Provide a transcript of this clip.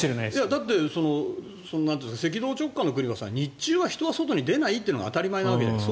だって、赤道直下の国は日中は人は外に出ないというのが当たり前なわけじゃない。